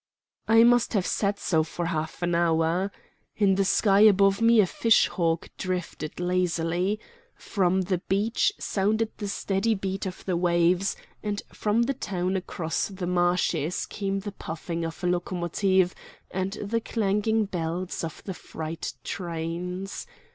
I must have sat so for half an hour. In the sky above me a fish hawk drifted lazily. From the beach sounded the steady beat of the waves, and from the town across the marshes came the puffing of a locomotive and the clanging bells of the freight trains.